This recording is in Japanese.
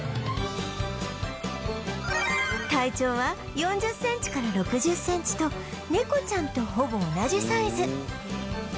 体長は４０センチから６０センチと猫ちゃんとほぼ同じサイズ